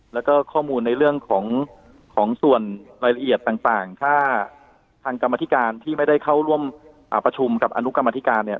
แล้วก็ข้อมูลในเรื่องของส่วนรายละเอียดต่างถ้าทางกรรมธิการที่ไม่ได้เข้าร่วมประชุมกับอนุกรรมธิการเนี่ย